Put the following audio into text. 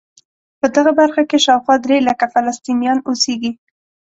په دغه برخه کې شاوخوا درې لکه فلسطینیان اوسېږي.